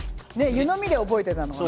湯飲みで覚えていたのかと。